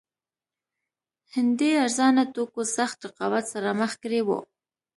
هندي ارزانه توکو سخت رقابت سره مخ کړي وو.